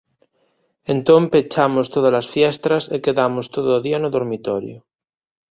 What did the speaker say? Entón pechamos tódalas fiestras e quedamos todo o día no dormitorio.